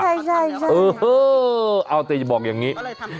ใช่ใช่เออเอ้อเอาแต่จะบอกอย่างนี้